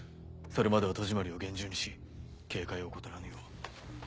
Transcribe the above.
それまでは戸締まりを厳重にし警戒を怠らぬよう。